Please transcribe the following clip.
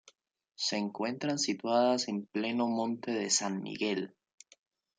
Se encuentran situadas en pleno Monte de San Miguel.